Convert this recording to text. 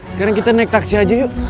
sekarang kita naik taksi aja yuk